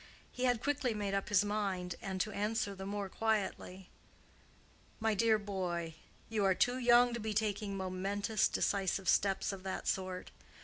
He had quickly made up his mind and to answer the more quietly, "My dear boy, you are too young to be taking momentous, decisive steps of that sort.